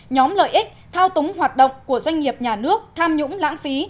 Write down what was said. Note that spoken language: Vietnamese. nhóm lợi ích thao túng hoạt động của doanh nghiệp nhà nước tham nhũng lãng phí